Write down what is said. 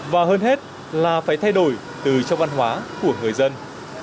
và hơn hết là phải thay đổi từ trong văn hóa của người dân